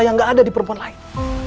yang gak ada di perempuan lain